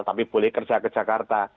tapi boleh kerja ke jakarta